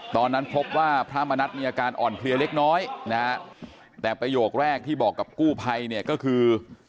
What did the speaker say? ตอนนั้นพบว่าพระมณัฐมีอาการอ่อนเพลียเล็กน้อยนะฮะแต่ประโยคแรกที่บอกกับกู้ภัยเนี่ยก็คือ